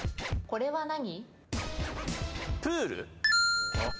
これは何？